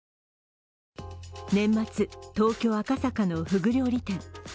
年末、東京・赤坂のふぐ料理店。